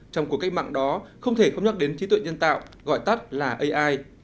trong cuộc cách mạng đó không thể không nhắc đến trí tuệ nhân tạo gọi tắt là ai